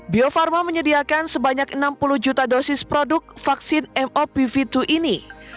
bio farma menyediakan sebanyak enam puluh juta dosis produk vaksin mopv dua ini